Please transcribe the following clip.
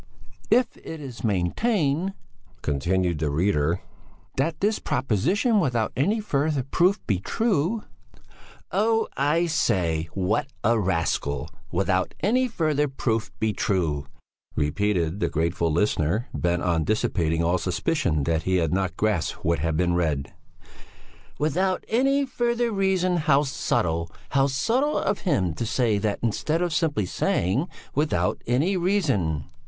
"'If it is maintained,'" continued the reader, "'that this proposition without any further proof be true....'" "Oh! I say! What a rascal! without any further proof be true," repeated the grateful listener, bent on dissipating all suspicion that he had not grasped what had been read, "without any further reason, how subtle, how subtle of him to say that instead of simply saying 'without any reason.'"